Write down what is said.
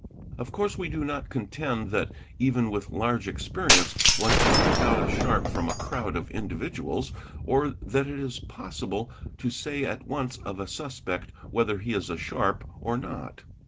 Of course we do not contend that even with large experience one can pick out a sharp from a crowd of individuals, or that it is possible to say at once of a suspect whether he is a sharp or > not.